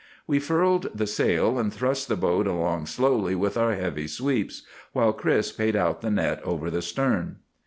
We furled the sail, and thrust the boat along slowly with our heavy sweeps, while Chris paid out the net over the stern.